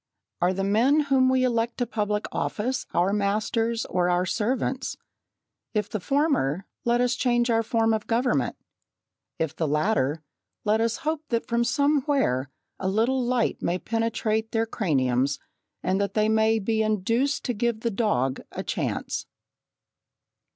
Are the men whom we elect to public office our masters or our servants? If the former, let us change our form of government; if the latter, let us hope that from somewhere a little light may penetrate their craniums and that they may be induced to give the dog a chance.